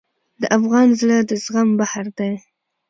د افغان زړه د زغم بحر دی.